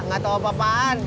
nggak tau apa apaan